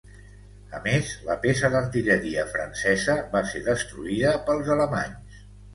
A més, la peça d'artilleria francesa va ser destruïda pels alemanys.